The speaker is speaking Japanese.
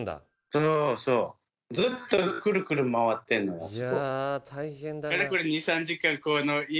そうそうずっとくるくる回ってんのよあそこ。